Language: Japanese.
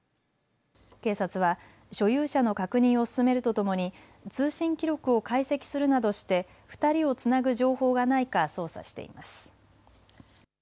警察は所有者の確認を進めるとともに通信記録を解析するなどして２人をつなぐ情報がないか捜査しています。